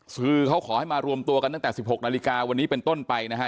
คือเขาขอให้มารวมตัวกันตั้งแต่๑๖นาฬิกาวันนี้เป็นต้นไปนะฮะ